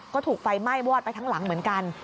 ก็ถูกไฟไหม้วอดไปทั้งหลังเหมือนกัน